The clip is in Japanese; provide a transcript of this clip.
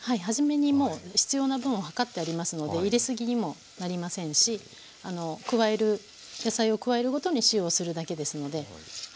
初めにもう必要な分を量ってありますので入れすぎにもなりませんし野菜を加えるごとに塩をするだけですので。